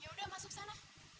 ya udah masuk sana